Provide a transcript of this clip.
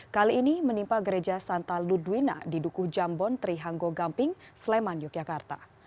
kali ini menimpa gereja santa ludwina di dukuh jambon trihanggo gamping sleman yogyakarta